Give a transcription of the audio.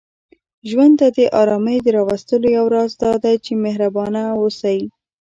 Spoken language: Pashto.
ژوند ته د آرامۍ د راوستلو یو راز دا دی، چې محربانه اوسئ